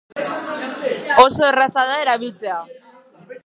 Oso erraza da erabiltzea.